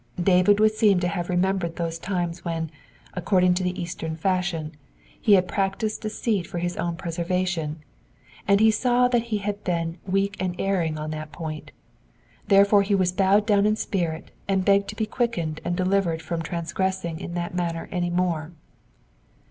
David would seem to have remembered those times when, according to the eastern fashion, he had practised deceit for his own preservation, and he saw that he had been weak and erring on that point ; therefore he was bowed down in spirit and begged to be quickened and delivered from transgressing in that manner any more.